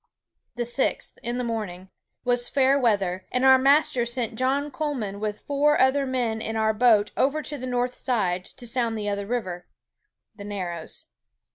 "The sixth, in the morning, was faire weather, and our master sent John Colman with foure other men in our boate over to the north side, to sound the other river," (the Narrows.)